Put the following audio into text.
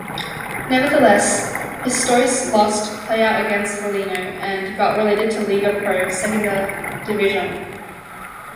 Nevertheless, Pistoiese lost play-out against Foligno and got relegated in Lega Pro Seconda Divisione.